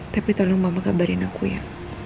tapi tolong mbak mbak kabarin aku ya